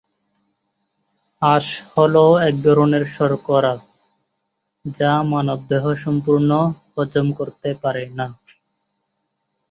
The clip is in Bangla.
আঁশ হলো এক ধরনের শর্করা যা মানব দেহ সম্পূর্ণ হজম করতে পারে না।